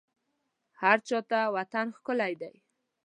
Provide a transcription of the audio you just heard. هرچا ته وطن ښکلی دی